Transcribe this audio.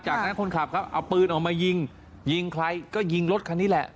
จากนั้นคนขับครับเอาปืนออกมายิงยิงใครก็ยิงรถคันนี้แหละ